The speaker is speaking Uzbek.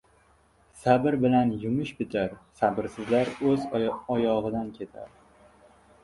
Sabr bilan yumush bitar, sabrsizlar o‘z oyog‘idan ketar.